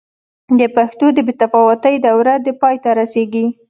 د پښتو د بې تفاوتۍ دوره دې پای ته رسېږي.